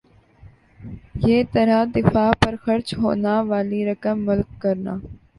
یِہ طرح دفاع پر خرچ ہونا والی رقم ملک کرنا